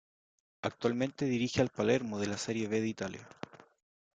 Actualmente dirige al Palermo de la Serie B de Italia.